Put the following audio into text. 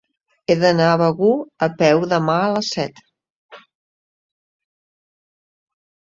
He d'anar a Begur a peu demà a les set.